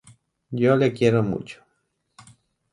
Yo le quiero mucho.